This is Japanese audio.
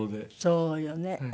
そうよね。